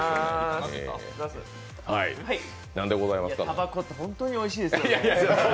たばこって本当においしいですよね。